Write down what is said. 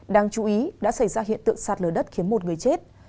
đáng chú ý đã xảy ra hiện tượng sạt lở đất khiến một người chết